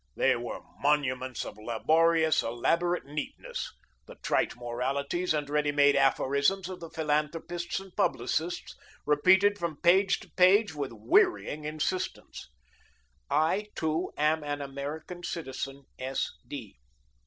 They were monuments of laborious, elaborate neatness, the trite moralities and ready made aphorisms of the philanthropists and publicists, repeated from page to page with wearying insistence. "I, too, am an American Citizen. S. D.